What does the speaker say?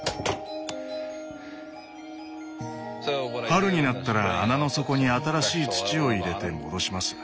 春になったら穴の底に新しい土を入れて戻します。